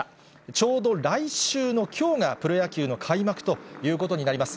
ちょうど来週のきょうがプロ野球の開幕ということになります。